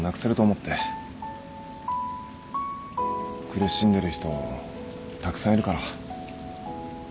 苦しんでる人たくさんいるから。